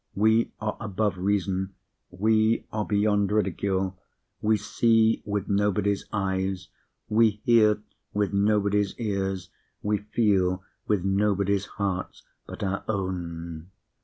We are above reason; we are beyond ridicule; we see with nobody's eyes, we hear with nobody's ears, we feel with nobody's hearts, but our own.